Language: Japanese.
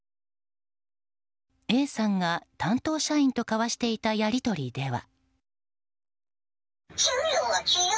Ａさんが担当社員と交わしていたやり取りでは。